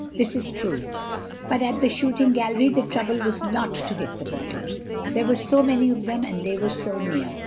This is true—but at the shooting gallery the trouble was not to hit the bottles. There were so many of them and they were so near.